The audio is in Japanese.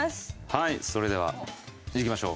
はいそれではいきましょう。